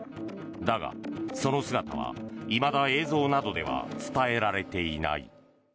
だが、その姿はいまだ映像などでは伝えられていない。